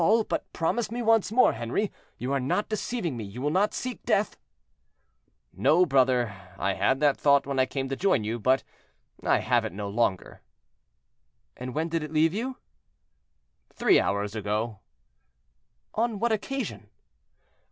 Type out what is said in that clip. but promise me once more, Henri, you are not deceiving me—you will not seek death?" "No, brother; I had that thought when I came to join you, but I have it no longer." "And when did it leave you?" "Three hours ago." "On what occasion?"